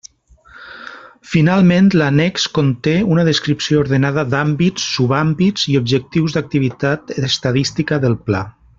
Finalment, l'annex conté una descripció ordenada d'àmbits, subàmbits i objectius d'activitat estadística del Pla.